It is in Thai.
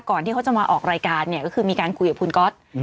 ที่เขาจะมาออกรายการเนี่ยก็คือมีการคุยกับคุณก๊อต